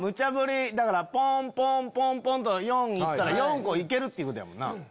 だからポンポンポンポンと４言ったら４個行けるってことやもんな。